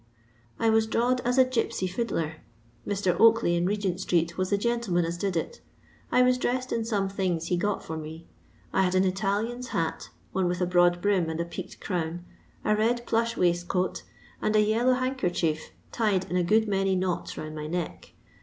I was drawed as a gipsy fiddler. Mr. Onkley in Regent street was the gentleman ns did it. I was dressed in some things he got for me. I had an Italian's hat, one with a broad brim and a peaked crown, a red plush waistcoat, and a yellow hankercher tied in a good many knots round my n«?ck.